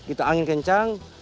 itu angin kencang